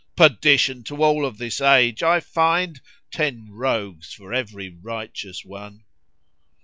Perdition to all of this age! I find * Ten rogues for every righteous one."